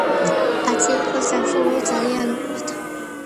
კაცი იყო, სამშობლო ძალიან უყვარდა